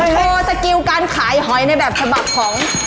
โชว์สกิลการขายหอยในแบบฉบับของ